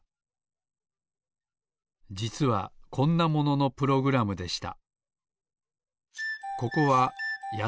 じつはこんなもののプログラムでした。